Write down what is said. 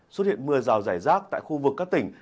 xuất hiện mưa rào rải rác tại khu vực các tỉnh